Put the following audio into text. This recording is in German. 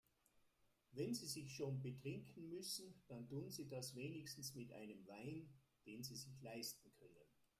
Wenn Sie sich schon betrinken müssen, dann tun Sie das wenigstens mit einem Wein, den Sie sich leisten können.